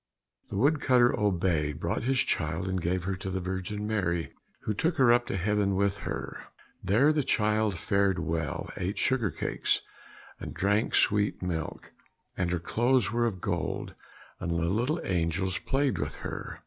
The wood cutter obeyed, brought his child, and gave her to the Virgin Mary, who took her up to heaven with her. There the child fared well, ate sugar cakes, and drank sweet milk, and her clothes were of gold, and the little angels played with her.